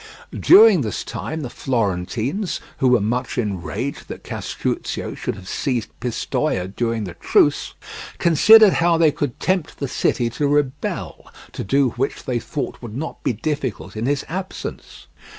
During this time the Florentines, who were much enraged that Castruccio should have seized Pistoia during the truce, considered how they could tempt the city to rebel, to do which they thought would not be difficult in his absence.